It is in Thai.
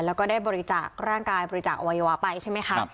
แล้วก็ได้บริจาคร่างกายบริจาคอวัยวะไปใช่ไหมคะ